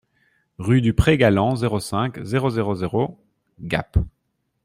Rue du Pré Galland, zéro cinq, zéro zéro zéro Gap